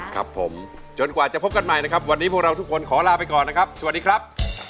ครับผมจนกว่าจะพบกันใหม่นะครับวันนี้พวกเราทุกคนขอลาไปก่อนนะครับสวัสดีครับ